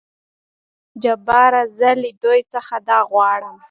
جبار : زه له دوي څخه دا غواړم.